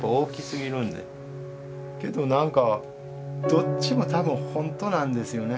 どっちも多分本当なんですよね。